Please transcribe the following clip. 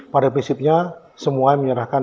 pada prinsipnya semua menyerahkan